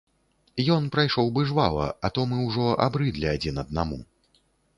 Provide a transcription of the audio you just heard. Ён прайшоў бы жвава, а то мы ўжо абрыдлі адзін аднаму.